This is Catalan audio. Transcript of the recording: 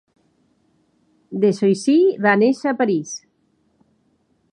De Choisy va néixer a París.